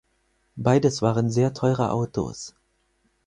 Beides waren sehr teure Autos.